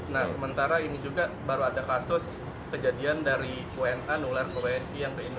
nah sementara ini juga baru ada kasus kejadian dari wna nular ke wsi yang ke indonesia